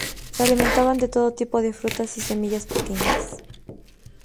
Se alimentan de todo tipo de frutas y semillas pequeñas.